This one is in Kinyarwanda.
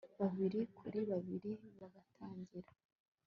Babiri kuri babiri bagatangira